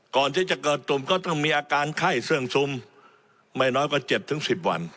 ก่อนที่จะเกิดตุ่มก็ต้องมีอาการไข้เสื่องซุมไม่น้อยกว่า๗๑๐วัน